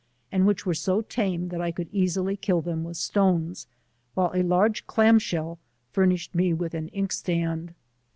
and which were so tame that I could easily kill them with stones, while a large clam shell furnished me with an ink stand.